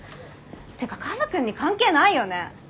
っていうかカズくんに関係ないよね！？